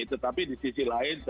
tetapi di sisi lainnya